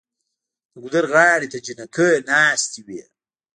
د ګودر غاړې ته جینکۍ ناستې وې